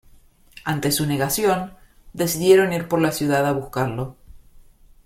Ante su negación, decidieron ir por la ciudad a buscarlo.